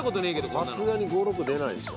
さすがに５６出ないでしょ。